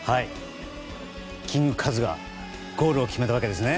キングカズがゴールを決めたわけですね。